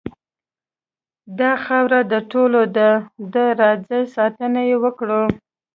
داخاوره دټولو ډ ه ده راځئ ساتنه یې وکړو .